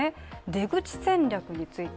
出口戦略について。